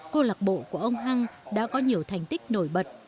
cô lạc bộ của ông hang đã có nhiều thành tích nổi bật